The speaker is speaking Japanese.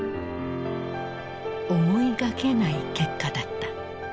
思いがけない結果だった。